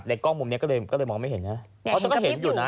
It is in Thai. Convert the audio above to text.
กล้องมุมนี้ก็เลยก็เลยมองไม่เห็นนะเพราะฉันก็เห็นอยู่นะ